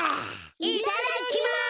いただきます。